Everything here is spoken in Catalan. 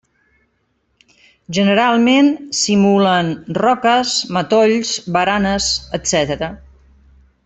Generalment simulen roques, matolls, baranes, etcètera.